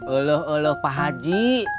oleh oleh pak haji